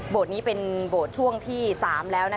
โบร์ดนี้เป็นโบร์ดช่วงที่๓แล้ว